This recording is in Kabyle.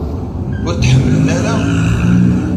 Ur t-ḥemmlen ara?